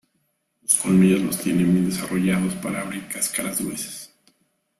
Los colmillos los tiene bien desarrollados para abrir cáscaras gruesas.